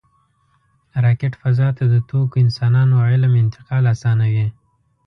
راکټ فضا ته د توکو، انسانانو او علم انتقال آسانوي